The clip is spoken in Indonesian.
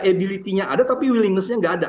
ability nya ada tapi willingness nya nggak ada